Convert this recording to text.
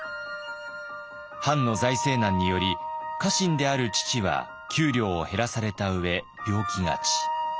藩の財政難により家臣である父は給料を減らされたうえ病気がち。